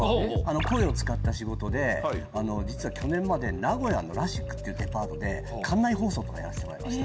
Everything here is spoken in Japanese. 声を使った仕事で実は去年まで名古屋のラシックっていうデパートで館内放送とかやらせてもらいました。